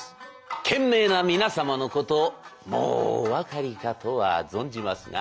賢明な皆様のこともうお分かりかとは存じますが。